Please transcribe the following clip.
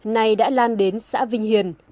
ngày đã lan đến xã vinh hiền